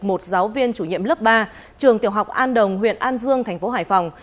một giáo viên chủ nhiệm lớp ba trường tiểu học an đồng huyện an dương thành phố hải phòng